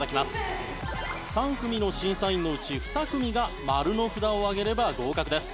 ３組の審査員のうち２組がマルの札を上げれば合格です。